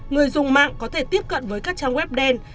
người dùng mạng có thể tiếp cận với các trang web đen